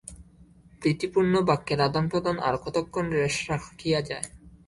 প্রীতিপূর্ণ বাক্যের আদানপ্রদান আর কতক্ষণ রেশ রাখিয়া যায়?